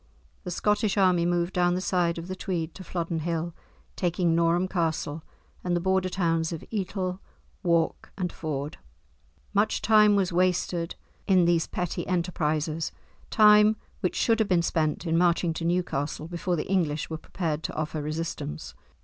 The Scottish army moved down the side of the Tweed to Flodden Hill taking Norham Castle, and the Border towns of Etal, Wark, and Ford. Much time was wasted in these petty enterprises, time which should have been spent in marching to Newcastle before the English were prepared to offer resistance.